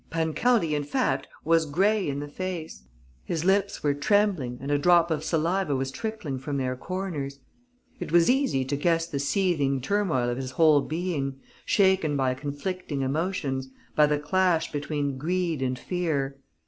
Pancaldi, in fact, was grey in the face; his lips were trembling and a drop of saliva was trickling from their corners. It was easy to guess the seething turmoil of his whole being, shaken by conflicting emotions, by the clash between greed and fear.